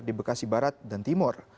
di bekasi barat dan timur